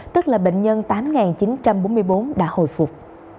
tức là bệnh nhân tám chín trăm bốn mươi bốn đã hồi phục